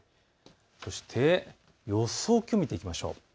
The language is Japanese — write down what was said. そして予想気温を見ていきましょう。